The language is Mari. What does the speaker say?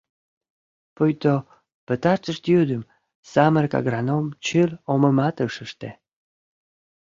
Пуйто, пытартыш йӱдым самырык агроном чыр омымат ыш ыште.